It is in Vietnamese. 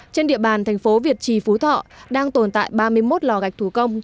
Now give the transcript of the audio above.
trên địa bàn thành phố việt trì phú thọ đang tồn tại ba mươi một lò gạch thủ công